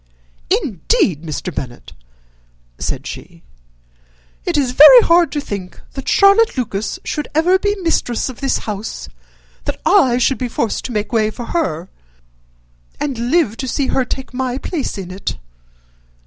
"Indeed, Mr. Bennet," said she, "it is very hard to think that Charlotte Lucas should ever be mistress of this house, that I should be forced to make way for her, and live to see her take my place in it!"